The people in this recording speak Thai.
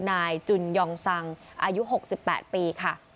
นายจุนยองซังอายุ๖๘ปีค่ะ